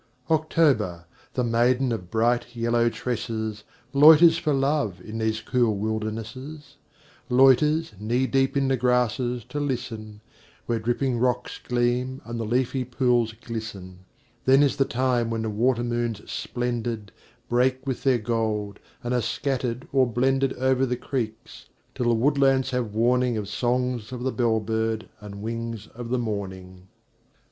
October, the maiden of bright yellow tresses, Loiters for love in these cool wildernesses; Loiters, knee deep, in the grasses, to listen, Where dripping rocks gleam and the leafy pools glisten: Then is the time when the water moons splendid Break with their gold, and are scattered or blended Over the creeks, till the woodlands have warning Of songs of the bell bird and wings of the Morning.